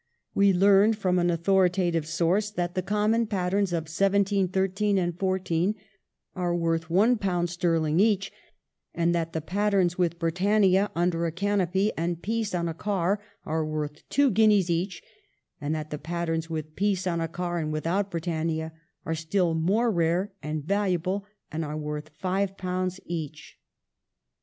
We learn from an authoritative source 1702 14 COINS AND JOURNALS. 401 that the common patterns of 1713 and 1714 are worth one pound sterhng each ; that the patterns with Britannia under a canopy, and Peace on a car, are worth two guineas each ; and that the patterns with Peace on a car and without Britannia are still more rare and valuable, and are worth five pounds each.